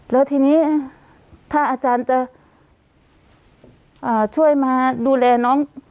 แล้วทีนี้ถ้าอาจารย์จะช่วยมาดูแลน้อง